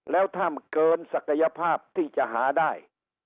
แล้วถ้ามันเกินศักยภาพที่จะหาได้